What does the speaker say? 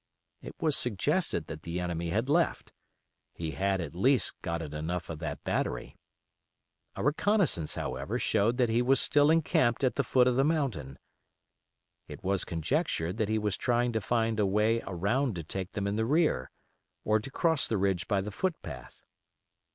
It was suggested that the enemy had left; he had, at least, gotten enough of that battery. A reconnoissance, however, showed that he was still encamped at the foot of the mountain. It was conjectured that he was trying to find a way around to take them in the rear, or to cross the ridge by the footpath.